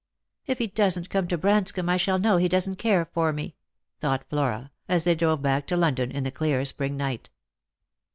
" If he doesn't come to Branscomb I shall know he doesn't care for me," thought Flora, as they drove back to London in the clear spring night.